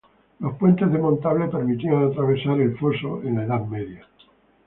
Los puentes desmontables permitían atravesar el foso en la Edad Media.